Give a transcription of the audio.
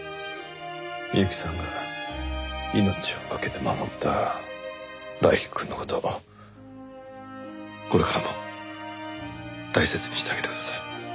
美由紀さんが命をかけて守った大樹くんの事これからも大切にしてあげてください。